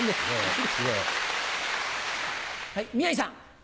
はい宮治さん。